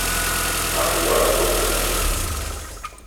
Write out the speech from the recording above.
I could write a book on that.